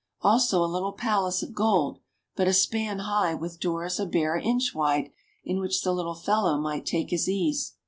Also a little palace of gold, but a span high, with doors a bare inch wide, in which the little fellow might take his ease.